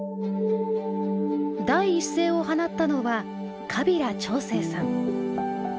第一声を放ったのは川平朝清さん。